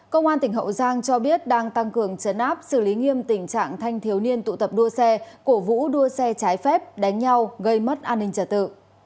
công an tỉnh hậu giang cho biết đang tăng cường chấn áp xử lý nghiêm tình trạng thanh thiếu niên tụ tập đua xe cổ vũ đua xe trái phép đánh nhau gây mất an ninh trả tự